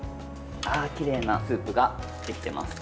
きれいなスープができています。